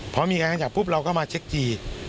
พอมีการขยับปุ๊บเราก็มาเช็กจี